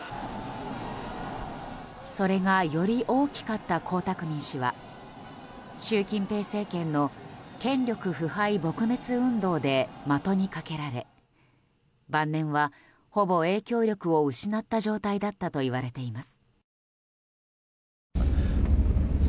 それがより大きかった江沢民氏は習近平政権の権力腐敗撲滅運動で的にかけられ晩年は、ほぼ影響力を失った状態だったといわれています。